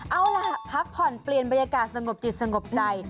เอาล่ะพักผ่อนเปลี่ยนบรรยากาศสงบจิตสงบใจ